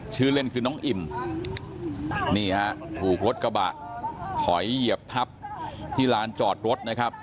ชื่อเล่นคือน้องอิ่มนี่ฮะถูกรถกระบะถอยเหยียบทับที่ลานจอดรถนะครับ